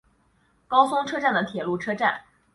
高松车站的铁路车站。